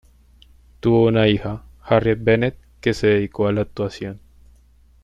Tuvo una hija, Harriet Bennet, que se dedicó a la actuación.